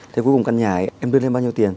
thế cuối cùng căn nhà em đưa lên bao nhiêu tiền